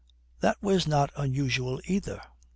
That was not unusual either.